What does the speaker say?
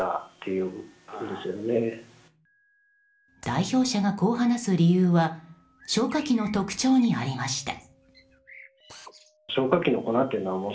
代表者がこう話す理由は消火器の特徴にありました。